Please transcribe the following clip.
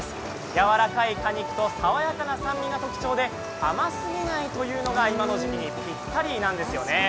やわらかい果肉と爽やかな酸味が特徴で甘すぎないというのが今の時期にピッタリなんですよね。